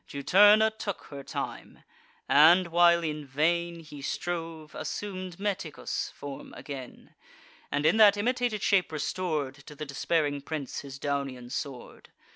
Juturna took her time; and, while in vain He strove, assum'd Meticus' form again, And, in that imitated shape, restor'd To the despairing prince his Daunian sword.